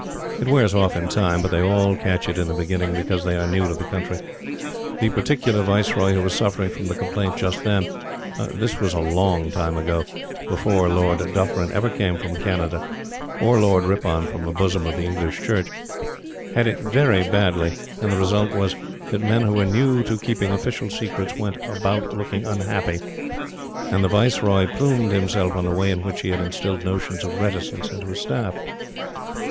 It wears off in time; but they all catch it in the beginning, because they are new to the country. The particular Viceroy who was suffering from the complaint just then this was a long time ago, before Lord Dufferin ever came from Canada, or Lord Ripon from the bosom of the English Church had it very badly; and the result was that men who were new to keeping official secrets went about looking unhappy; and the Viceroy plumed himself on the way in which he had instilled notions of reticence into his Staff.